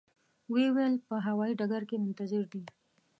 و یې ویل په هوایي ډګر کې منتظر دي.